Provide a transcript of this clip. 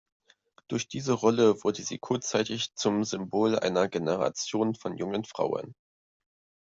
Durch diese Rolle wurde sie kurzzeitig zum Symbol einer Generation von jungen Frauen.